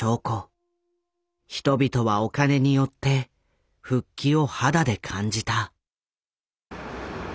人々はお金によって復帰を肌で感じた。